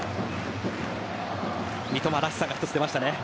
三笘らしさが一つ出ましたね。